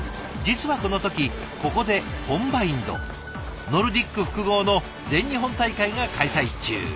実はこの時ここでコンバインドノルディック複合の全日本大会が開催中。